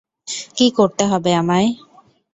কী করতে হবে আমায়?